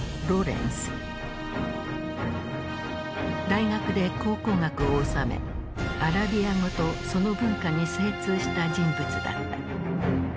大学で考古学を修めアラビア語とその文化に精通した人物だった。